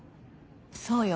そうよ。